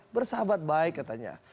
bersahabat baik katanya